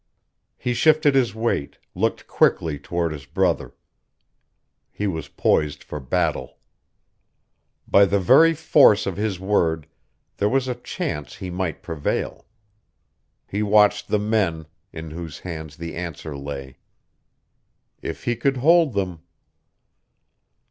He shifted his weight, looked quickly toward his brother.... He was poised for battle. By the very force of his word, there was a chance he might prevail. He watched the men, in whose hands the answer lay. If he could hold them....